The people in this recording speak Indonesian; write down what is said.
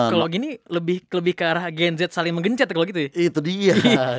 kalo gini lebih ke arah gnz saling menggencet kalo gitu ya